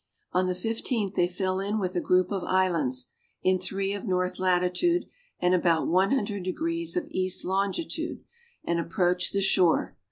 On the 15th they fell in with a group of islands, in 3 of north latitude, and about 100 degrees of east longitude, and approached the shore.